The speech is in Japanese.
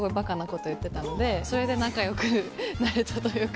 それで仲良くなれたというか。